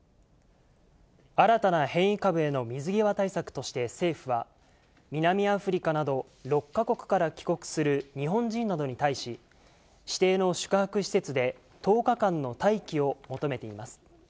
新たな変異株への水際対策として政府は、南アフリカなど６か国から帰国する日本人などに対し、指定の宿泊施設で、１０日間の待機を求めています。